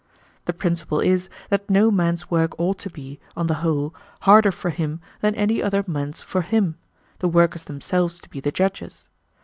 The principle is that no man's work ought to be, on the whole, harder for him than any other man's for him, the workers themselves to be the judges.